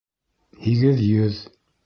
Һигеҙ йөҙ